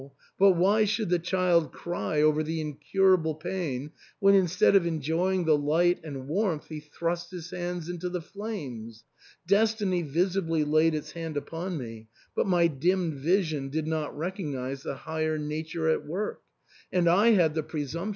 But why should the child cry over the incurable pain when instead of enjoying the light and warmth he thrusts his hand into the flames ? Destiny visibly laid its hand upon me, but my dimmed vision did not recognise the higher nature at work ; and I had the presumption to ' A suburb of Dantzic, on the N.